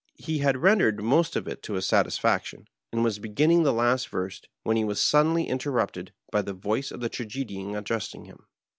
He had rendered most of it to his satisfaction, and was beginning the last verse, when he was suddenly interrupted by the voice of the Tragedian addressing him.